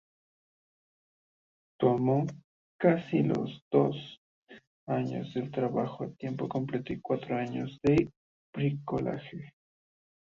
Tomó casi dos años de trabajo a tiempo completo y cuatro años de bricolaje.